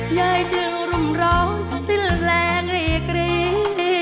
ยายจึงรุ่มร้อนจนสิ้นแรงรีกรี